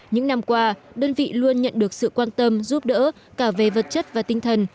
những năm qua đơn vị luôn nhận được sự quan tâm giúp đỡ cả về vật chất và tinh thần